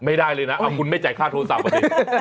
ไม่ได้เลยนะคุณไม่จ่ายค่าโทรศัพท์อ่ะดิ